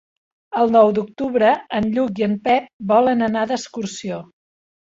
El nou d'octubre en Lluc i en Pep volen anar d'excursió.